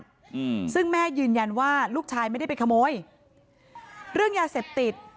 อืมซึ่งแม่ยืนยันว่าลูกชายไม่ได้ไปขโมยเรื่องยาเสพติด